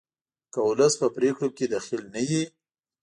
که ولس په پریکړو کې دخیل نه وي